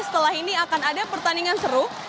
setelah ini akan ada pertandingan seru